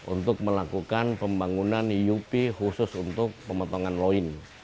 untuk melakukan pembangunan iupi khusus untuk pemotongan lawin